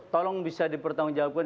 tolong bisa di pertanggungjawabkan